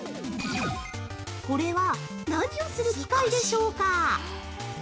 これは何をする機械でしょうか？